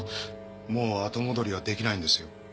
もう後戻りはできないんですよ。